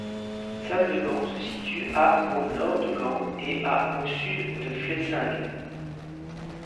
Sas-de-Gand se situe à au nord de Gand, et à au sud de Flessingue.